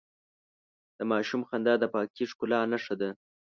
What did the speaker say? د ماشوم خندا د پاکې ښکلا نښه ده.